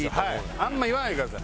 あんま言わないでください